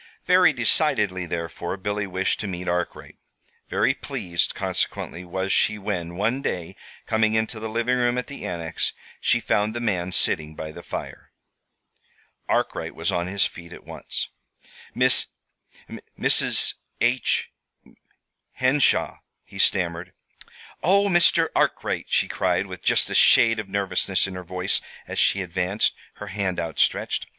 Very decidedly, therefore, Billy wished to meet Arkwright. Very pleased, consequently, was she when, one day, coming into the living room at the Annex, she found the man sitting by the fire. Arkwright was on his feet at once. "Miss Mrs. H Henshaw," he stammered "Oh, Mr. Arkwright," she cried, with just a shade of nervousness in her voice as she advanced, her hand outstretched.